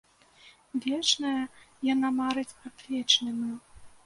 Вечная, яна марыць аб вечным ім.